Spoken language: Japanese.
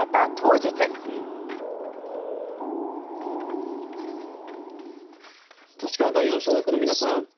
立川第四小学校の皆さん。